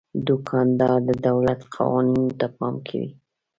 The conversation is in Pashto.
دوکاندار د دولت قوانینو ته پام کوي.